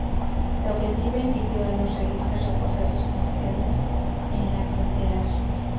La ofensiva impidió a los realistas reforzar sus posiciones en la frontera sur.